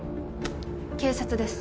警察です